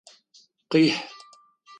Къихь!